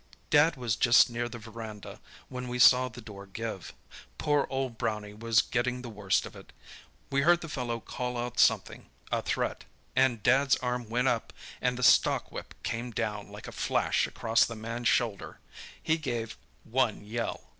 "Dad was just near the verandah when we saw the door give. Poor old Brownie was getting the worst of it. We heard the fellow call out something—a threat—and Dad's arm went up, and the stockwhip came down like a flash across the man's shoulder He gave one yell!